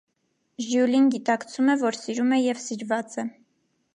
Ժյուլին գիտակցում է, որ սիրում է և սիրված է։